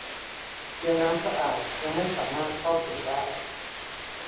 เพียงน้ำสะอาดยังไม่สามารถเข้าถึงได้